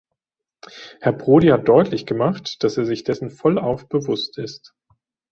Herr Prodi hat deutlich gemacht, dass er sich dessen vollauf bewusst ist.